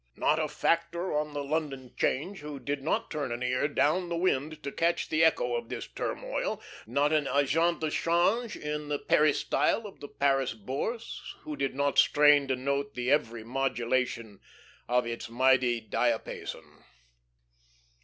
Not a "factor" on the London 'Change who did not turn an ear down the wind to catch the echo of this turmoil, not an agent de change in the peristyle of the Paris Bourse, who did not strain to note the every modulation of its mighty diapason.